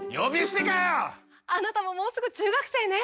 あなたももうすぐ中学生ね！